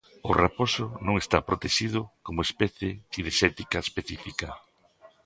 O raposo non está protexido como especie cinexética específica.